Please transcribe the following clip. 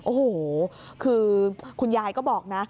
โอ้โหคือคุณยายก็บอกนะ